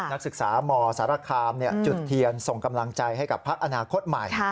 นักศึกษามสารคามจุดเทียนส่งกำลังใจให้กับพักอนาคตใหม่